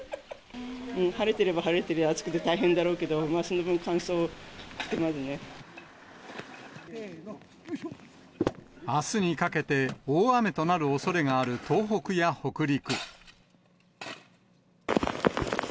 晴れてれば晴れてるで、暑くて大変だろうけど、その分乾燥してまあすにかけて、大雨となるおそれがある東北や北陸。